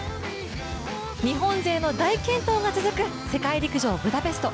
日本勢の大健闘が続く世界陸上ブダペスト。